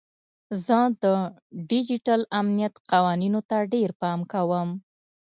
زه د ډیجیټل امنیت قوانینو ته ډیر پام کوم.